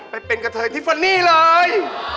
ไปเป็นกับเธอทิฟเฟนนี่เลย